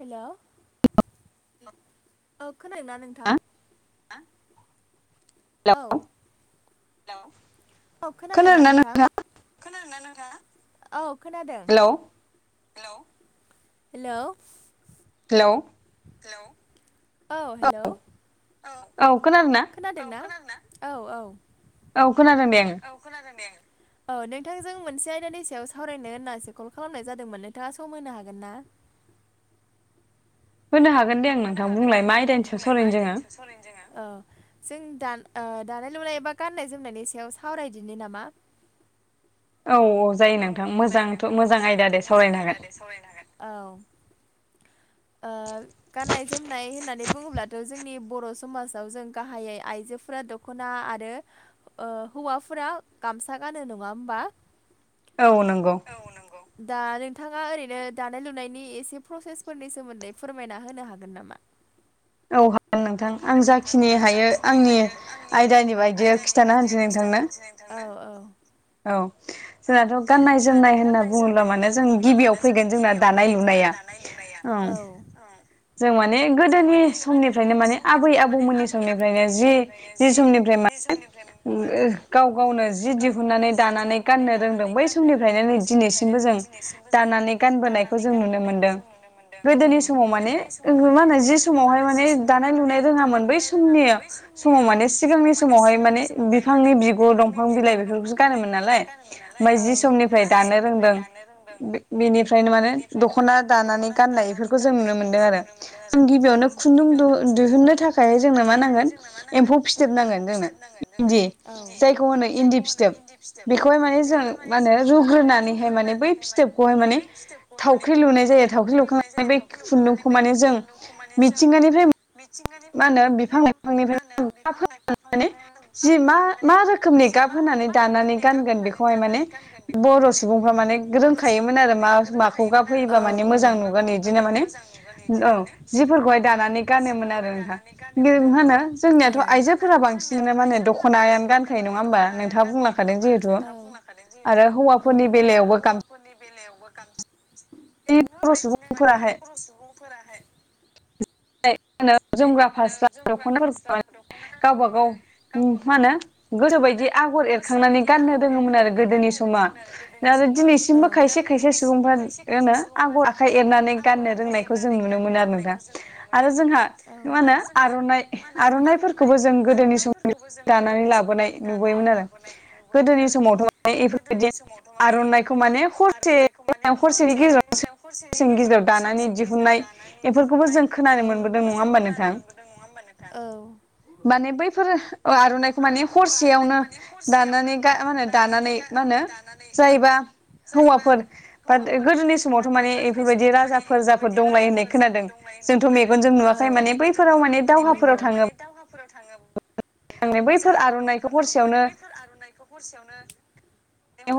हेल' औ खोनाया नोंथां। हेलौ औ हेल। औ खोनादोंना नोंथां खोनादोंना नोंथां औ खोनादों। हेलौ हेलौ हेल'। हेलौ औ हेल' औ औ खोनादोंना खोनादों औ औ। औ खोनादों दे आङो औ खोनादों दे। औ नोंथांजों मोनसे आयदानि सायाव सावरायनो होननासो कल खालामनाय जादोंमोन नोंथाङा सम होनो हागोन ना। होनो हागोन दे नोंथां बुंलाय मा आयदानि सायाव सावरायनो जोङो। सावरायनो जोङो। औ जों दा-दानाय लुनाय एबा गाननाय जोमनायनि सायाव सावरायदिनो नामा? औ औ जायो नोंथां मोजांथ' मोजां आयदा दे सावरायनो हागोन। सावरायनो हागोन औ गाननाय जोमनाय होननानै बुङोब्लाथ' जोंनि बर' समाजाव जों गाहायै आइजोफोरा दख दख'ना आरो हौवाफोरा गामसा गानो नङा होमबा औ नंगौ औ नोंगौ दा नोंथाङा ओरैनो दानाय लुनायनि एसे प्रसेसफोरनि सोमोन्दै फोरमायना होनो हागोन नामा [inaudible] औ [unintelligible] नोंथां आं जाखिनि हायो आंनि आयदानि बायदि खिन्थाना होनसै नोंथांनो औ औ औ जोंनाथ' गाननाय जोमनाय होनना बुङोब्ला माने जों गिबियाव फैगोन जोंना दानाय लुनाया औ जों माने गोदोनि समनिफ्रायनो माने आबै आबौमोननि समनिफ्रायनो जि जि समनिफ्राय माने गाव गावनो जि दिहुननानै दानानै गाननो रोंदों बै समनिफ्रायनो नै दिनैसिमबो जों दानानै गानबोनायखौ जों नुनो मोनदों गोदोनि समाव माने मा होनो जि समावहाय माने दानाय लुनाय रोङामोन बै समनि समाव माने सिगांनि समावहाय माने बिफांनि बिगुर दंफां बिलाय बिफोरखौसो गानोमोन नांलाय औ ओफ्राय जि समनिफ्राय दानो रोंदों बेनिफ्रायनो माने दख'ना दानानै गाननायफोर खौ जों नुनो मोनदों आरो मोनदों आरो गिबियावनो जों खुन्दुं गिबियावनो खुन्दुं दिहुननो थाखाय दिहुननो जोंनो मा थाखायनो नांगोन जोंनो मा नांगोन एम्फौ फिथोब एम्फौ नांगोन जोंनो फिथोबनांगोन इन्दि जोंनो दि जायखौ होनो इन्दि फिथोब खौहाय माने जों म होनो रुग्रोनानैहाय माने बै फिथोबखौहाय माने थावख्रि लुनाय जायो थावख्रि लुखां बे खुन्दुंखौ माने जों मिथिंगानिफ्राय मिथिंगारि मा होनो बिफां मा लाइफांनिफ्राय होनो बिफां गाब होनानै लाइफांनिफ्रायनो जि मा रोखनि गाब होनानै दानानै गा बेाय माने बर' सुबुंफोरा माने रोंखायोमोन आरो म माखौ ग फैयोबा माने मोजां नुगोन बिदिनो माने औ जिफोरखौहाय दानानै गानोमोन आरो नोंथां मा होनो जोंनियाथ' आइजोफोरा बांसिनानो माने दख'नायानो गानखायो नङा होमबा नोंथाङा बुंलांखादों जिहेथु था खमाखादों आरो जिहेथु हौवाफोरनि आरो बेलायावबो गामसा हौवाफोरनि बेलायावबो बर' बेफोरबायदिनो माने सुबुंफोराहाय मा बर' सुबुंफोराहाय जोमग्रा फास्ला दख'नाफोरखौ गावबा गाव मा होनो गोसो बायदि आगर एरखांनानै गाननो रोङोमोन आरो गोदोनि समा आरो आरो दिनैसिमबो दा खायसे खायसे सुबुंफ्रा बेो आगर आखाइ एरनानै गाननो रोंनायखौ जों नुनो मोनो आरो नों आरो जोंहा मा होनो आर'नाय आर'नाइफोरखौबो जों गोदोनि सम खौबो जों गोदोनि समावनो दानानै लाबोनाय नुयो गोदोनि आरो समावथ' माने गोदोनि इफोरबायदि समावथ' मे आर'नाइखौ बेफोरबायदि माने हरसे आर'नाइखौ माने हरसेनि हरसे गेजेराव हरसेनि गेजेराव दानानै ससेनि गेजेराव दिहुननाय दानानै दि बेफोरखौबो दिफुंनाय जों खोनानो मोनबोदों बेफोरखौबो नङा जों होमबा खोनानो नोंथां मोनबोदों नङा होमबानोथ माने बैफोर आर'नाइखौ माने हरसेयावनो दानो मा होनो दानानै मा होनो जायोबा हौवाफोर बााथ गोदोनि समावथ' माने बेफोरबायदि राजाफोराफोर दंलाय होननाय खोनादों दंलनाय होननाय जोंथ' खोनादों मेगनजों नुवाखै जेखौ माने मेगनजों बैफोराव नुवाखै माने बेफोर माने दावहाफोराव थाङो थांनाय बैफोर आर'नाइखौ हरसेयावनो आर'नाइखौ हरसेयावनो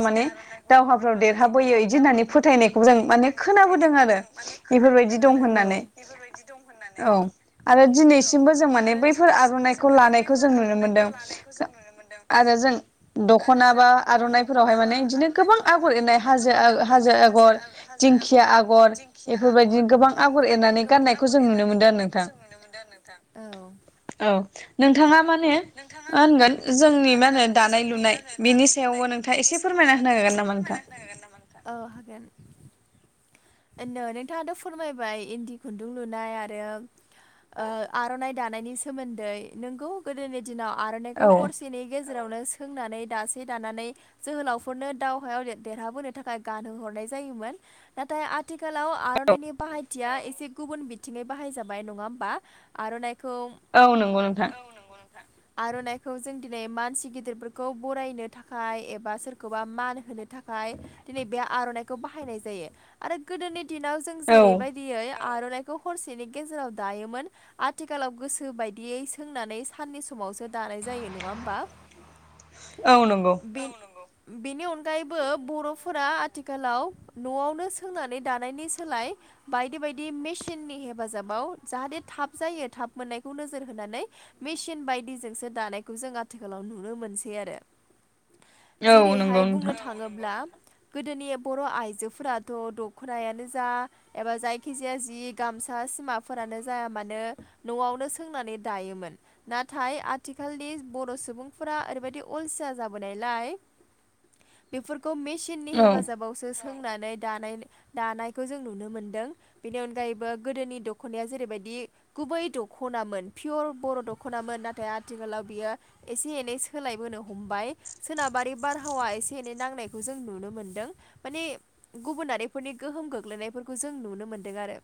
माने दावहाफ्राव देरहाबोयो बिदि होननानै फोथायनायखौ जों माने खोनाबोदों आरो बेफोरबायदि दं होननानै औ औ आरो दिनैसिमबो जों माने बैफोर आर'नाइ खौ लानायखो जों नुनो मोनदों आरो जों दखना बा आर'ना फोरावहाय माने बिदिनो गोबां आगर एरनाय हाजो हाजो आगर दिंखिया आगर दिंखिया बेफोरबायदिनो आगर गोबां आगर बेफोरबायदि एरनानै गोबां गाननायखौ जों आगर नुनो एरनानै मोनदों आरो गाननायखौ नोंथां जों नुनो मोनदों आरो नोंथां औ नोंथाङा माने मा होनगोन जोंनि मा होनो दानाय लुनाय बेनि सायावबो नोंथाङा एसे फोरमायना होनो हागोन नामा नोंथां औ हागोन [unintelligible] नोंथाङाथ' फोरमायबाय इन्दि खुन्दुं लुनाय आरो आर'नाइ दानायनि सोमोन्दै नोंगौ गोदोनि दिनाव आर'नाइखौ औ हरसेनि गेजेरावनो सोंनानै दासे दानानै जोहोलावफोरनो दावहायाव देरहाबोनो थाखाय गानहोहरनाय जायोमोन नाथाय आथिखालाव आर'नाइनि बाहाय थिया एसे गुबुन बिथिङै बाहायजाबाय नङा होमबा आर'नाइखौ औ नंगौ नोंथां आर'नाइखौ जों दिनै मानसि गेदिरफोरखौ खौ बरायनो थाखाय एबा सोरखौबा मान होनो थाखाय दिनै बे आर'नाइखौ बाहायनाय जायो आरो गोदोनि दिनाव जों औ जेरैबायदियै आर'नाइखौ हरसेनि गेजेराव दायोमोन आथिखालाव गोसो बायदियै सोंनानै साननि समावसो दानाय जायो नङा होमबा औ नांगौ बेनि अनगायैबो बर'फोरा आथिखालाव न'आवनो सोंनानै दानायनि सोलाय बायदि बायदि मेसिननि हेफाजाबाव जाहाथे थाब जायो थाब मोननायखौ नोजोर होनानै मेसिन बायदिजोंसो दानायखौ जों आथिखालाव नुनो मोनसै औ नंगौ जेरैहाय बुंनो नोंथां थाङोब्ला गोदोनि बर' आइजोफोराथ' दख'नायानो जा एबा जायखिजाया जि गामसा सिमाफोरानो जाया मानो न'आवनो सोंनानै दायोमोन नाथाय आथिखालनि बर' सुबुंफोरा ओरैबायदि अलसिया जाबोनायलाय बेफोरखौ मेसिननि औ हेफाजाबाव सो सोंनानै दानाय दानायखौ जों नुनो मोनदों बेनि अनगायैबो गोदोनि दख'नाया जेरैबायदि गुबै दख'नामोन पियर बर' दख'नामोन नाथाय आथिखालाव बियो एसे एनै स सोलायबोनो हमबाय सोनाबारि बारहावा एसे एनै नांनायखौ जों नुनो मोनदों माने गुबुनारिफोरनि गोहोम गोग्लैनायफोरखौ जों नुनो मोनदों आरो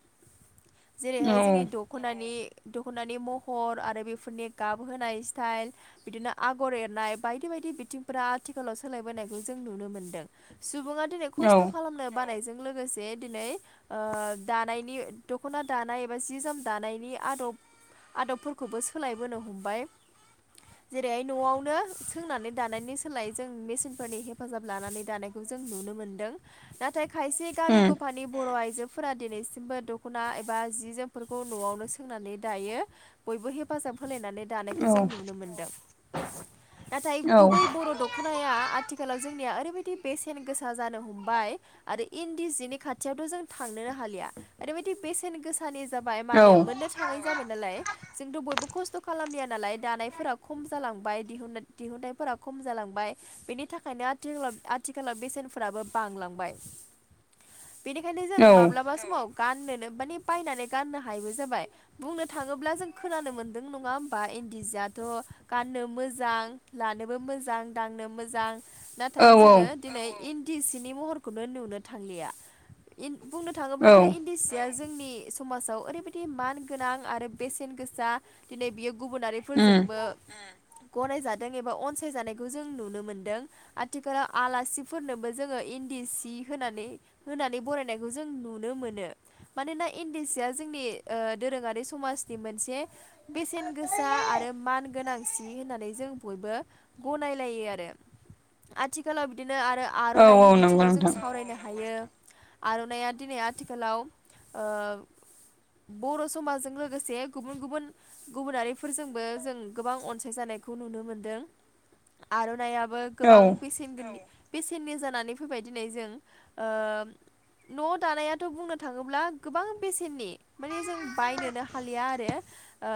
औ जेरैहाय जोंनि डक दखनानि दख'नानि महर आरो बेफोरनि गाब होनाय स्टाइल बिदिनो आ गर एरनाय, बायदि बायदि बिथिंफोरा आथिखालाव सोलायबोनायखौ जों नुनो मोनदों। सुबुङा दिनै औ खस्थ' खालामनो बानायजों लोगोसे दिनै दानायनि दख'ना दानाय एबा जि जोम दानायनि आदब आदबफोरखौबो सोलायबोनो हमबाय जेरैहाय न'आवनो सोंनानै दानायनि सोलायै जों मेचनफोरनि हेफाजाब लानानै दानायखौ जों नुनो मोनदों नाथाय खायसे गामि उम गफानि बर' आइजो फोरा दिनैसिमबो दख'ना एबा जि जोमफोरखौ न'आवनो सोंनानै दायो बयबो हेफाजाब होलायनानै औ दानायखौ जों नुनो मोनदों। नाथाय औ गुबै बर' दख'नाया आथिखालाव जोंनिया ओरैबायदि बेसेन गोसा जानो हमबाय आरो इन्दि जिनि खाथियावथ' जों थांनोनो हालिया, ओरैबायदि बेसेन गोसा सारि जाबाय औ मानो मोननो थांनाय जाबाय नालाय जोंथ' बयबो खस्थ' खालामलिया नालाय दानायफोरा खम जालांबाय, दिहुन दिहुननायफोरा खम जालांबाय बेनि थाखायनो आथिखालाव आथिखालाव बेसेनफोराबो बांलांबाय। बेनिखायनो जों औ माब्लाबा समाव गाननोनो माने बायनानै गाननो हायिबो जाबाय। बुंनो थाङोब्ला जों खोनानो मोन्दों नंङा होमबा इन्दि सियाथ' गाननो मोजां, लानोबो मोजां, दांनो मोजां, नाथाय जोङो दिनै इन्दि सिनि महरखौनो नुनो थांलिया। बुंनो औ थाङोब्लाथ' इ दिसिया जोंनि समाजाव ओरैबायदि मान गोनां आरो बेसेन गोसा, दिनै बियो उम गुबुनारिफोरजोंबो गनायजादों एबा अनसायजानायखौ जों नुनो मोनदों। आथिखालाव आलासिफोरनोबो जोङो इन्दि सि होनानै होननानै बरायनायखौ जों नुनो मोनो मानोना इन्दि सिया जोंनि दोरोंङारि समाजनि मोनसे बेसेन गोसा आरो मान गोनांसि होननानै जों बयबो गनायलायो आरो आथिखालाव बिदिनो आरो औ औ आर'नाइनि नंगौ बिथिंङाव जों नोंथां सावरायनो हायो आर'नाइया दिनै आथिखालाव ओ बर' समाजजों लोगोसे गुबुन गुबुन गुबुनारिफोरजोंबो जों गोबां अनसाय जानायखौ नुनो मोनदों आर'नायाबो औ गोबां बेसे बेसेननि जानानै फैबाय दिनै जों ओ न' दानायाथ' बुंनो थांङोब्ला गोबां बेसेननि माने जों बायनोनो हालिया आरो ओ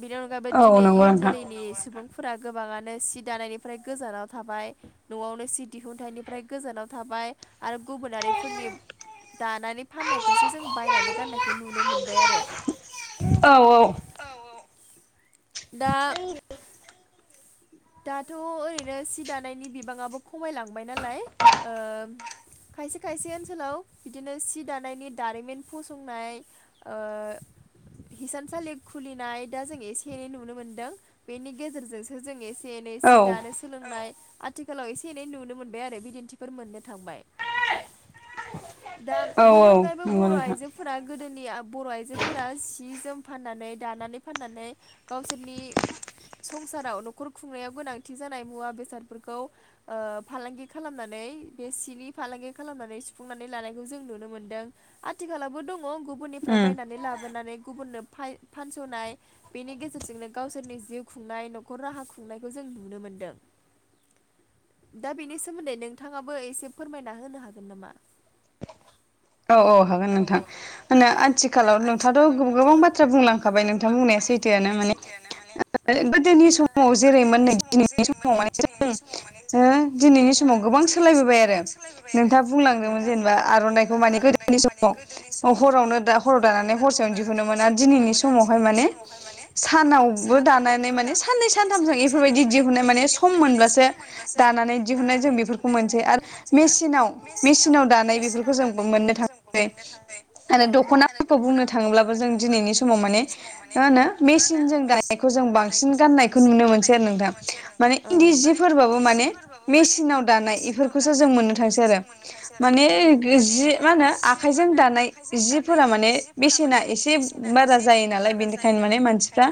बिनि अनगायैबो औ दिनै नंगौ नोंथां दिनि सुबुंफोरा गोबाङानो सि दानायनिफ्राय गोजानाव थाबाय। न'आवनो सि दिहुनथाइनिफ्राय गोजानाव थाबाय आरो गुबुनारिफोरनि दानानै फाननायखौसो जों बायनानै गाननायखौ नुनो मोनबाय आरो औ औ। दा दाथ' ओरैनो सि दानायनि बिबाङाबो खम खमायलांबाय नालाय, ओ खायसे खायसे ओनसोलाव बिदिनो सि दानायनि दारिमिन फसंनाय ओ हिसानसालि खुलिनाय दा जों एसे एनै नुनो मोनदों बेनि गेजेरजों जों एसे एनै औ नंगौ नोंथां सि दानो सोलोंनाय आथिखालाव एसे एनै नुनो मोनबाय आरो बिदिन्थिफोर मोननो थांबाय दा बेनि अनगायैबो बर' आयजो फोरा गोदोनि बर' आइजोफोरा सि जोम फाननानै दानानै फाननानै गावसोरनि संसाराव न'खर खुंनायाव गोनांथि जानाय मुवा बेसादफोरखौ ओ फालांगि खालामनानै बे सिनि फालांगि खालामनानै सुफुंनानै लानायखौ जों नुनो मोनदों आथिखालबो दंङ गुबुननिफ्राय उम बायनानै लाबोनानै गुबुननो फानस'नाय बेनि गेजेरजोंनो गावसोरनि जिउ खुंनाय। न'खर राहा खुंनायखौ जों नुनो मोन्दों दा बेनि सोमोन्दै नोंथाङाबो एसे फोरमायना होनो हागोन नामा? औ हागोन [inaudible] औ औ नोंथां हागोन नोंथां होनो मा आथिखालाव नोंथाङाथ' आथिखालाव गोबां नोंथाथ' बाथ्रा गोबां बुंलांखाबाय बाथ्रा नोंथां बुंनाया बुंलांखाबाय नों थ' बुंनाया सैथोआनो माने दि समाव जेरै मोननै दिनैनि समाव माने जों दिनैनि समाव गोबां सोलायबोबाय आरो नोंथांङा बुंलांदोंमोन जे जेनेबा आर'नाइखौ माने गोदोनि समाव हरावनो हराव दानानै हरसेयावनो दिहुनो मोना। दिनैनि सम समावहाय माने सानावबो दानानै मा माने साननै सानथाम जायो बेफोरबायदि दिहुननाय माने सम मोनब्लासो दानानै दिहुननाय जों बेफोरखौ मोनसै आरो मसिनाव मेचिनाव दा बेफोरखौ जों मोननो थांसै औ आरो दख'नाफोरखौ बुंनो थाङोब्लाबो जों दिनैनि समाव माने मा होनो मेसिन जों दानायखौ जों बांसिन गानायखौ नुनो मोनसै आरो नोंथां। माने इन्दि जिफोरबाबो माने मेचनाव दानाय एफोर खौसो जों मोननो थांसै आरो। माने औ बे माने जि मा होनो आखाइजों दानाय जिफोरा माने बेसेना एसे बारा जायो नालाय बेनिखायनो माने मानसिफ्रा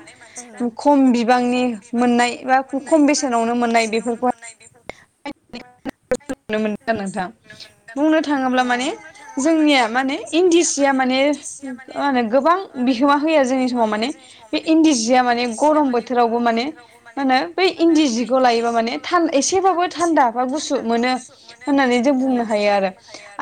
खम बिबां खम बिबांनि मोननाय बा खम मोननाय बेसेनावनो बेफोरखौहाय मोननाय बेफोर पाइन नुनो मोनदों आरो लिगफोरखौसो नोंथां नुनो मोनदों बुंनो थाङोब्ला माने जोंनिया माने इन्दि सिया माने मा होनो गोबां बिहोमा होया जोंनि समाव माने बे इन्दि सिया माने गरम बोथोराव माने, माहोनो बै इन्दि जिखौ लायोबा माने थान, एसे बाबो थान्दा बा गुसु मोनो। होननानै जों बुंनो हा हायो आरो,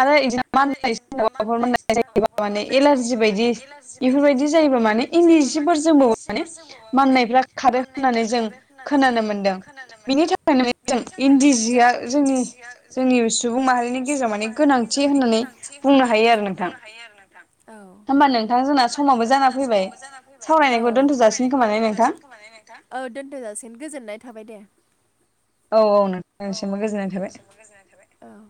आरो इदिनो माननाय सोरनावबा फोर माननाय जायोब्ला माने एलारजि बायदि जि बायदि बेफोरबायदि जायोबा माने बेफोरबायदि इन्दि जायोबा माने जिफोरजोंबो इनदि माने जिफोर जोमोबा माने माननायफ्रा खारो मान होननानै जों खोनानो मोनदों बिनि थाखायनो जों इन्दि जिया जोंनि जोंनि सुबुं माहारिनि गेजेराव सुबुं माने माहारिनि गेजेराव गोनांथि माने होननानै गोनांथि बुंनो होननानै हायो आरो नोंथां बुंनो हायो आरो नोंथां। औ होमबा नोंथां जोंना समाबो जाना फैबाय। सावरायनायखौ दोन्थ' जाासिगोन खोमा ने नोंथां? औ दोनथो जाासिगोन, गोजोननाय थाबाय दे। औ औ नोंसिमबो गोजोननाय थाबाय औ